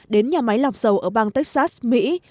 đến nhà máy lọc dầu ở bang texas mỹ